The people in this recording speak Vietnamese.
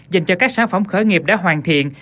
dành cho các sản phẩm khởi nghiệp đã hoàn thiện